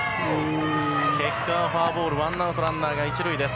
結果はフォアボールでワンアウトランナー１塁です。